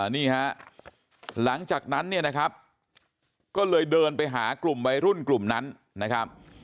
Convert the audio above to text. นี่ฮะหลังจากนั้นเนี่ยนะครับก็เลยเดินไปหากลุ่มวัยรุ่นกลุ่มนั้นนะครับ